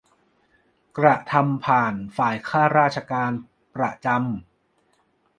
กระทำผ่านฝ่ายข้าราชการประจำ